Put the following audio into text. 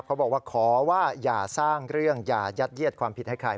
เขาบอกว่าขอว่าอย่าสร้างเรื่องอย่ายัดเยียดความผิดให้ใคร